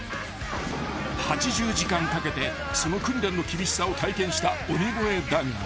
［８０時間かけてその訓練の厳しさを体験した鬼越だが］